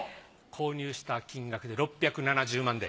購入した金額で６７０万で。